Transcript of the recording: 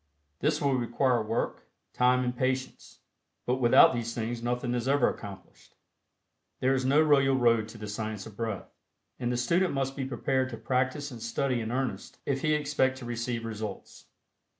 This will require work, time and patience, but without these things nothing is ever accomplished. There is no royal road to the Science of Breath, and the student must be prepared to practice and study in earnest if he expect to receive results.